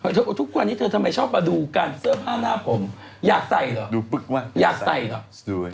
เธอทุกวันนี้ชอบมาดูกันเสื้อผ้าหน้าผมอยากใส่เหรออยากใส่หรอ